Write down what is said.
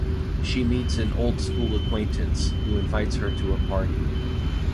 She meets an old school acquaintance, who invites her to a party.